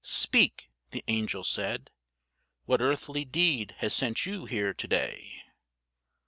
"Speak!" the Angel said; "What earthly deed has sent you here today?"